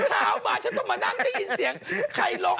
เช้ามาฉันต้องมานั่งได้ยินเสียงใครร้อง